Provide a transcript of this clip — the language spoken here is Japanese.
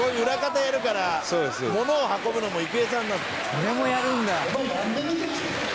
「それもやるんだ」